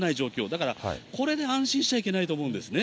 だから、これで安心しちゃいけないと思うんですね。